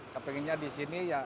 kak pengennya di sini ya